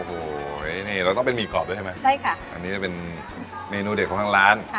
โธ่ต้องเป็นมีดกรอบด้วยใช่ไหมใช่ค่ะอันนี้เป็นเมนูเด็ดของว่างร้าน